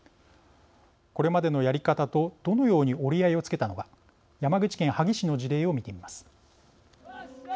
これまでのやり方とどのように折り合いをつけたのか山口県萩市の事例を見てみます。